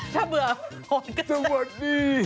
ถ้าเบื่อโหลกะสือ